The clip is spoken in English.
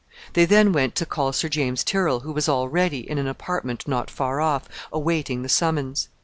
They then went to call Sir James Tyrrel, who was all ready, in an apartment not far off, awaiting the summons.